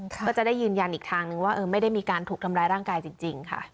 ก็จะได้ยืนยันอีกทางนึงว่าไม่ได้มีการถูกทำร้ายร่างกายจริงค่ะ